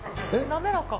滑らか。